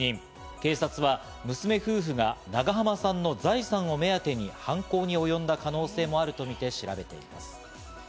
警察は娘夫婦が長濱さんの財産を目当てに犯行におよんだ可能性もあるとみて調べています。